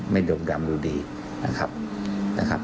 ไม่ดมดำดูดีนะครับ